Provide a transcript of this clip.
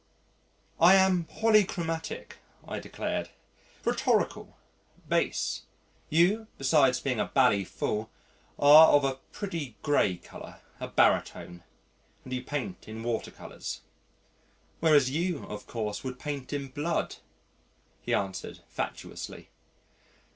"I am polychromatic," I declaimed, "rhetorical, bass. You besides being a bally fool are of a pretty gray colour, a baritone and you paint in water colours." "Whereas you, of course, would paint in blood?" he answered facetiously.